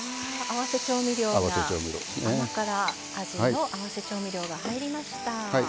甘辛味の合わせ調味料が入りました。